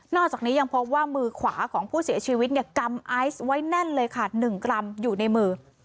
จากนี้ยังพบว่ามือขวาของผู้เสียชีวิตเนี่ยกำไอซ์ไว้แน่นเลยค่ะ๑กรัมอยู่ในมือ